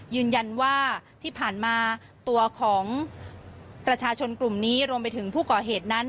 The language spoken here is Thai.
ยืนยันว่าที่ผ่านมาตัวของประชาชนกลุ่มนี้รวมไปถึงผู้ก่อเหตุนั้น